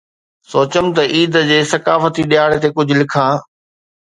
سوچيم ته عيد جي ثقافتي ڏهاڙي تي ڪجهه لکان.